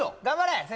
頑張れ！